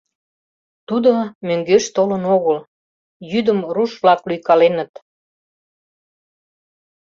Тудо мӧҥгеш толын огыл... йӱдым руш-влак лӱйкаленыт.